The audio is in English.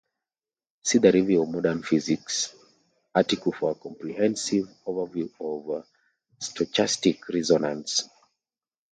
See the "Review of Modern Physics" article for a comprehensive overview of stochastic resonance.